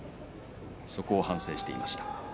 そこを反省していました。